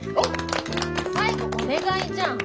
最後お願いじゃん。